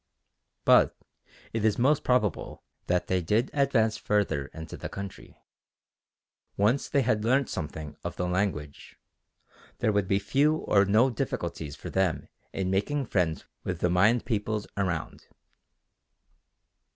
But it is most probable that they did advance further into the country. Once they had learnt something of the language, there would be few or no difficulties for them in making friends with the Mayan peoples around.